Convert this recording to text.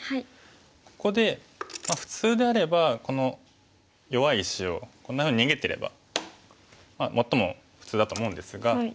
ここで普通であればこの弱い石をこんなふうに逃げてれば最も普通だと思うんですが。